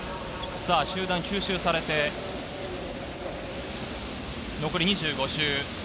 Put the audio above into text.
さぁ、集団吸収されて残りは２５周。